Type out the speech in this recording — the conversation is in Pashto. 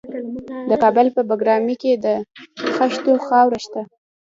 د کابل په بګرامي کې د خښتو خاوره شته.